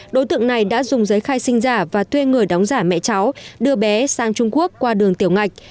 đối tượng này đã dùng giấy khai sinh giả và thuê người đóng giả mẹ cháu đưa bé sang trung quốc qua đường tiểu ngạch